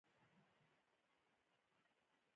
سندره د هر عمر انسان خوښېږي